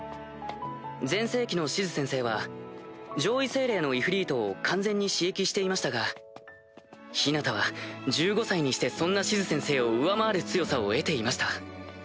全盛期のシズ先生は上位精霊のイフリートを完全に使役していましたがヒナタは１５歳にしてそんなシズ先生を上回る強さを得ていました。